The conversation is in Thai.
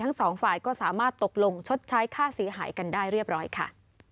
ทั้งสองฝ่ายก็สามารถตกลงชดใช้ค่าเสียหายกันได้เรียบร้อยค่ะ